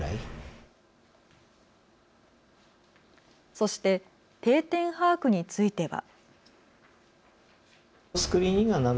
そして定点把握については。